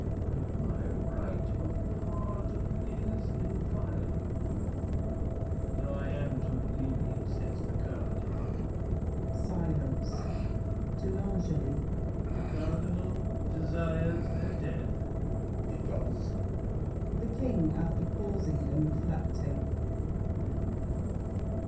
And my right Of pardon is inviolable—though I am too lenient, says the Cardinal! [Silence. [To L'Angely.] The Cardinal desires their death? L'ANGELY. He does! THE KING (after pausing and reflecting).